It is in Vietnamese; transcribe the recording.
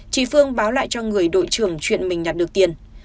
chị phương báo lại cho người đội trưởng chuyện mình nhặt được tiền